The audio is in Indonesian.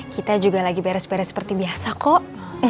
kita juga lagi beres beres seperti biasa kok